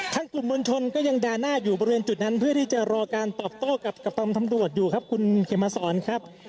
กลุ่มมวลชนก็ยังด่าหน้าอยู่บริเวณจุดนั้นเพื่อที่จะรอการตอบโต้กับตำรวจอยู่ครับคุณเขมมาสอนครับ